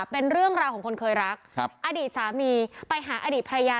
เป็นเรื่องราวของคนเคยรักครับอดีตสามีไปหาอดีตภรรยา